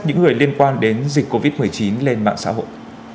những người liên quan đến dịch covid một mươi chín lên mạng xã hội